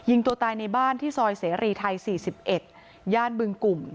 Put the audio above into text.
ยิงตัวตายในบ้านที่ซอยเสรีไทย๔๑ย่านบึงกลุ่ม